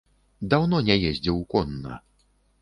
Даўно не ездзіў конна.